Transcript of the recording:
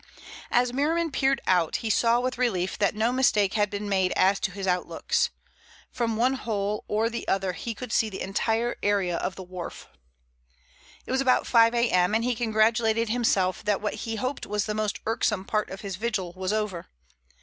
As Merriman peered out he saw with relief that no mistake had been made as to his outlooks. From one hole or the other he could see the entire area of the wharf. It was about five a.m., and he congratulated himself that what he hoped was the most irksome part of his vigil was over.